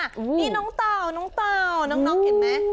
นี่น้องเต่าเห็นไหม